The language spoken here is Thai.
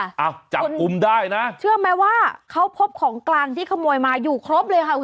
อ้าวจับกลุ่มได้นะเชื่อไหมว่าเขาพบของกลางที่ขโมยมาอยู่ครบเลยค่ะ